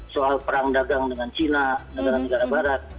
soal perang dagang dengan china negara negara barat